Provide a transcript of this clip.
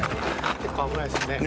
結構危ないですね。